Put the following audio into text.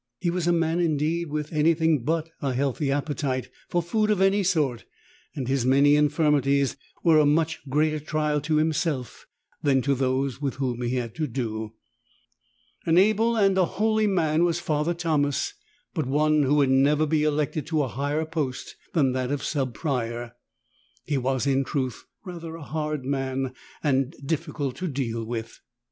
He was a man indeed with any thing but a healthy appetite for food of any sort, and his many infirmities were a much greater trial to himself than to those with whom he had to do. An able and a holy man was Father Thomas, but one who would never be elected to a higher post than that of Sub Prior. He was in truth rather a hard man and difficult to deal with.